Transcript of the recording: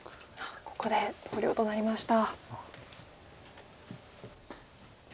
ここで投了となりました。